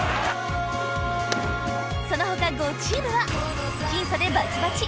その他５チームは僅差でバチバチ。